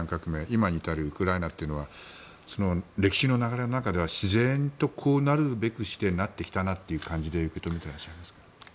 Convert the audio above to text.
今に至るウクライナは歴史の流れの中では自然とこうなるべくしてなってきたなという感じで受け止めていますか。